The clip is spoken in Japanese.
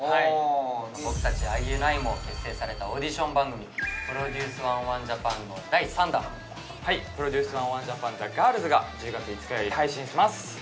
僕達ＩＮＩも結成されたオーディション番組「ＰＲＯＤＵＣＥ１０１ＪＡＰＡＮ」の第３弾「ＰＲＯＤＵＣＥ１０１ＪＡＰＡＮＴＨＥＧＩＲＬＳ」が１０月５日より配信します